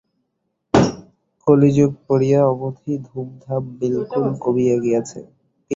কলিযুগ পড়িয়া অবধি ধুমধাম বিলকুল কমিয়া গিয়াছে।